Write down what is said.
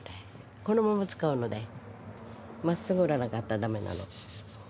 このまま使うのでまっすぐ織らなかったらダメなの。